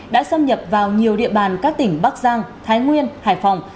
đã xâm nhập vào nhiều địa bàn các tỉnh bắc giang thái nguyên hải phòng